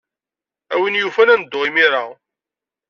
A win yufan, ad neddu imir-a.